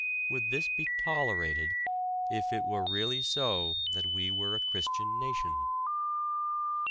Would this be tolerated if it were really so that we were a Christian nation?